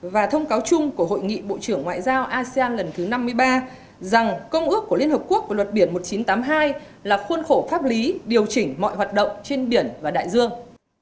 và thông cáo chung của hội nghị bộ trưởng ngoại giao asean lần thứ năm mươi ba rằng công ước của liên hợp quốc về luật biển một nghìn chín trăm tám mươi hai là khuôn khổ pháp lý điều chỉnh mọi hoạt động trên biển và đại dương